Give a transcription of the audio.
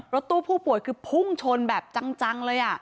รถตู้ผู้ป่วยคือพุ่งชนแบบจังเลย